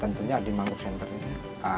tentunya di mangrove center ini